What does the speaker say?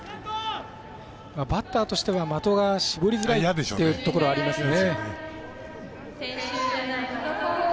バッターとしては的が絞りづらいっていうところがありますね。